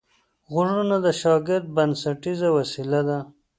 غوږونه د شاګرد بنسټیزه وسیله ده